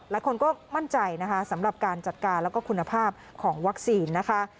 หลายคนก็มั่นใจนะคะสำหรับการจัดการแล้วก็คุณภาพของวัคซีนนะคะ